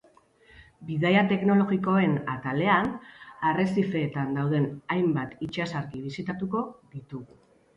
Bidaia teknologikoen atalean, arrezifeetan dauden hainbat itsasargi bisitatuko ditugu.